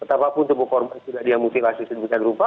apapun tubuh korban sudah diamutilasi sedemikian rupa